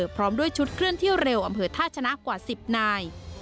พร้อมด้วยชุดเคลื่อนที่เร็วอำเภอท่าชนะกว่า๑๐นาย